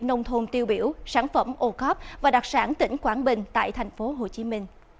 nông thôn tiêu biểu sản phẩm ô khớp và đặc sản tỉnh quảng bình tại tp hcm